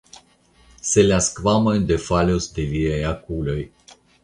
Se la skvamoj defalus de viaj okuloj!